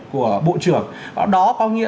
của bộ trưởng đó có nghĩa